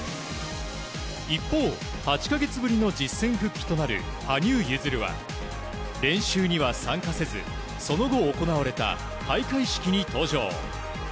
一方、８か月ぶりの実戦復帰となる羽生結弦は練習には参加せずその後、行われた開会式に登場。